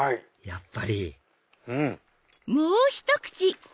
やっぱりうん！